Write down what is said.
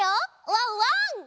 ワンワン！